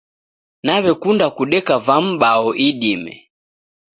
Nawekunda kudeka vambao idime